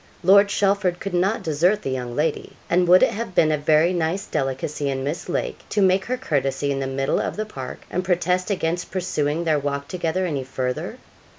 Lord Chelford could not desert the young lady, and would it have been a very nice delicacy in Miss Lake to make her courtesy in the middle of the park, and protest against pursuing their walk together any further?